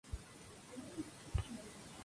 El alguacil alguacilado